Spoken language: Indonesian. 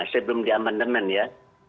sebelum di amandemen ya